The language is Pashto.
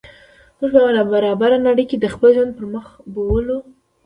موږ په یوه نا برابره نړۍ کې د خپل ژوند پرمخ بوولو.